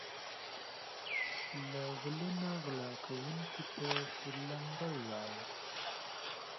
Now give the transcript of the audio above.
له غله نه غلا کونکي ته سورلنډی وايي.